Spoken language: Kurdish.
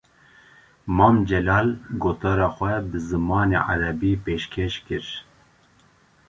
Mam Celal, gotara xwe bi zimanê Erebî pêşkêş kir